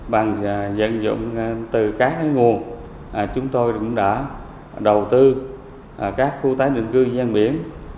bằng dẫn dụng từ các nguồn chúng tôi cũng đã đầu tư các khu tái định cư gian biển